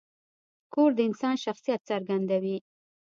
کور د انسان شخصیت څرګندوي.